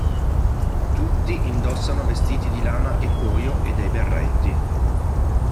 Tutti indossano vestiti di lana e cuoio e dei berretti.